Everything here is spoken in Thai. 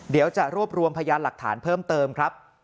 เดี๋ยวจะรวบรวมพยานหลักฐานเพิ่มเติมครับ